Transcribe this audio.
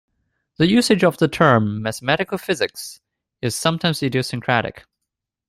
The usage of the term "mathematical physics" is sometimes idiosyncratic.